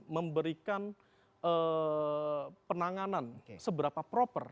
memberikan penanganan seberapa proper